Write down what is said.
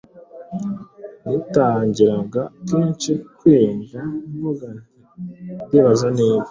natangiraga kenshi kwiyumva mvuga nti “Ndibaza niba”.